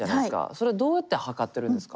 それどうやって測ってるんですか？